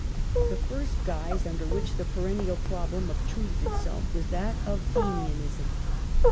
The first guise under which the perennial problem obtruded Fenianism itself was that of Fenianism.